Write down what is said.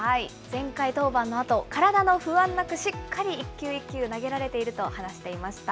前回登板のあと、体の不安なく、しっかり一球一球投げられていると話していました。